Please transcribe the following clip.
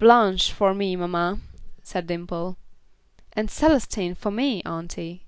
"Blanche, for me, mamma," said Dimple. "And Celestine for me, auntie."